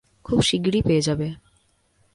খুব শিগগিরই পেয়ে যাবে।